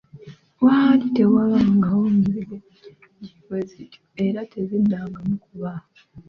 Waali tewabangawo nzige nnyingi bwezityo era teziddangamu kubaawo.